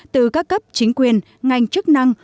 từ các cấp chính quyền ngành chức năng